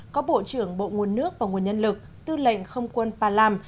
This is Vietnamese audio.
có bộ trưởng bộ nguồn nước và nguồn nhân lực tư lệnh không quân palam